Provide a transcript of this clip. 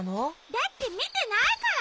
だってみてないから。